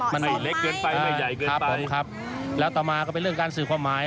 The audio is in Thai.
มันเหมาะสองไหมมันใหญ่เกินไปครับผมครับแล้วต่อมาก็เป็นเรื่องการสื่อความหมาย